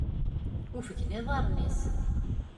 Uffgen iḍarren-is!